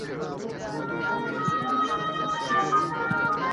زما تر لحده به آواز د مرغکیو راځي؛